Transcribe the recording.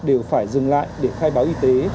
đều phải dừng lại để khai báo y tế